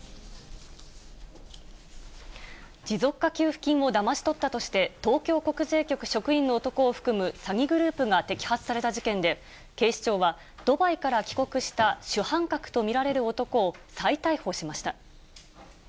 持続化給付金をだまし取ったとして、東京国税局職員の男を含む詐欺グループが摘発された事件で、警視庁は、ドバイから帰国した主犯格と見られる男を再逮捕しました。